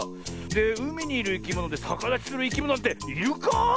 うみにいるいきものでさかだちするいきものっているか？